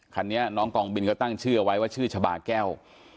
คันนี้น้องกองบินก็ตั้งชื่อเอาไว้ว่าชื่อชะบาแก้ว